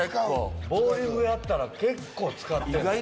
ボウリングやったら結構使ってんのよ。